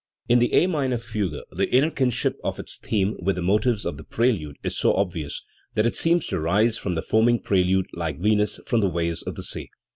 In the A minor fugue the inner kinship of its therne with the motives of the prelude is so obvious that it seems to rise from the foaming prelude like Venus from the waves of the sea.